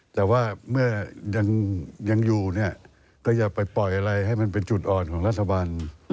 แต่ว่าเมื่อยังอยู่เนี่ยก็อย่าไปปล่อยอะไรให้มันเป็นจุดอ่อนของรัฐบาล